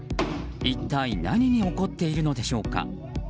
一体、何に怒っているのでしょうか。